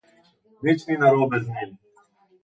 Nič ni narobe z njim.